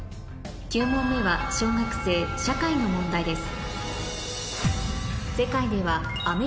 ９問目は小学生社会の問題です